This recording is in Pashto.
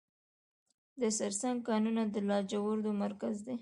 د سرسنګ کانونه د لاجوردو مرکز دی